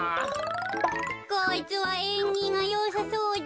こいつはえんぎがよさそうだ。